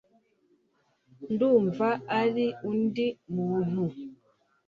ndumva ari undi muntu